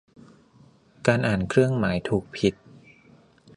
การอ่านเครื่องหมาย ถูก ผิด